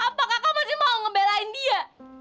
apa kakak masih mau ngebelain dia